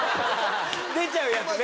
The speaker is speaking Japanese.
出ちゃうやつね！